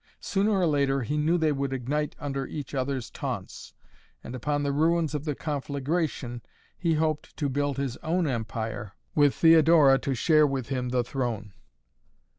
Sooner or later he knew they would ignite under each other's taunts, and upon the ruins of the conflagration he hoped to build his own empire, with Theodora to share with him the throne.